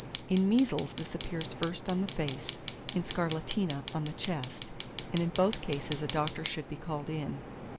In measles, this appears first on the face; in scarlatina, on the chest; and in both cases a doctor should be called in.